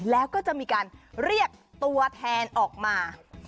แล้วก็จะมีการเรียกตัวแทนออกมา